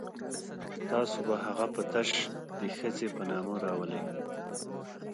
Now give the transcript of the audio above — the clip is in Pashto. تاسو به هغه په تش د ښځې په نامه راولئ.